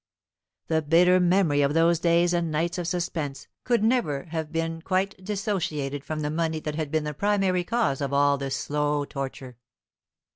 The bitter memory of those days and nights of suspense could never have been quite dissociated from the money that had been the primary cause of all this slow torture.